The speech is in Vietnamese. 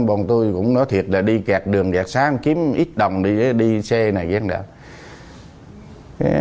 bọn tôi cũng nói thiệt là đi kẹt đường kẹt xá kiếm ít đồng đi xe này đi xe này